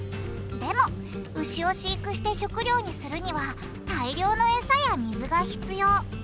でも牛を飼育して食料にするには大量のエサや水が必要。